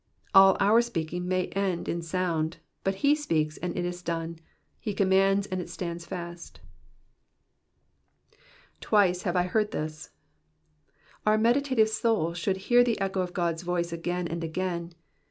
All our speaking may yet end in sound ; but he speaks, and it is done ; he commands, and, it stands fast. *'2Vice Jiave I heard this.^^ Our meditative soul should hear the echo of God's voice again and again.